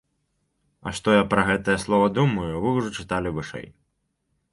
А што я пра гэтае слова думаю, вы ўжо чыталі вышэй.